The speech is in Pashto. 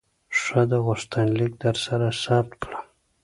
ښه ده، غوښتنلیک درسره ثبت کړه.